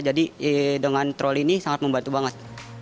jadi dengan troli ini sangat membantu banget